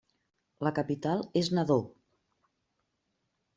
La capital és Nador.